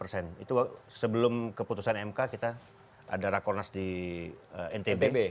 sebelum keputusan mk kita ada rakonas di ntb